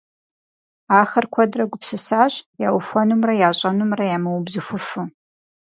Ахэр куэдрэ гупсысащ яухуэнумрэ ящӏэнумрэ ямыубзыхуфу.